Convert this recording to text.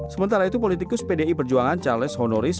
sementara itu politikus pdi perjuangan charles honoris